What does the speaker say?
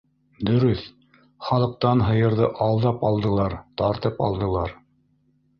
Дөрөҫ, халыҡтан һыйырҙы алдап алдылар, тартып алдылар.